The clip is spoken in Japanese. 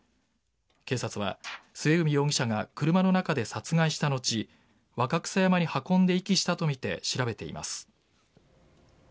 警察は末海容疑者が車の中で殺害したのち若草山に運んで遺棄したとみて調べています。